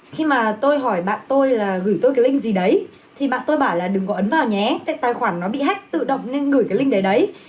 khi mà tôi hỏi bạn tôi là gửi tôi cái link gì đấy thì bạn tôi bảo là đừng có ấn vào nhé tài khoản nó bị hách tự động nên gửi cái link đấy đấy